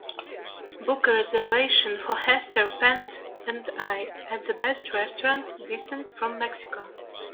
Book a reservation for hester, pat and I at the best restaurant distant from Mexico